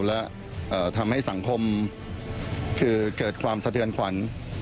และทำให้สังคมคือเกิดความสะเทือนขวัญ